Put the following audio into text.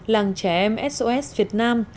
làng trẻ em sos việt nam